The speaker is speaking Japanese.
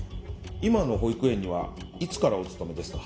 今の保育園にはいつからお勤めですか？